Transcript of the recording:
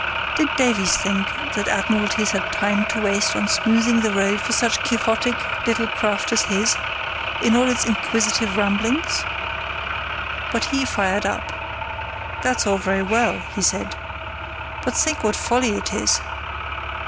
Did Davies think that Admiralties had time to waste on smoothing the road for such quixotic little craft as his, in all its inquisitive ramblings? But he fired up. "That's all very well," he said, "but think what folly it is.